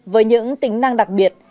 với những tính năng đặc biệt